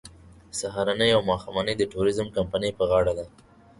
سهارنۍ او ماښامنۍ د ټوریزم کمپنۍ په غاړه ده.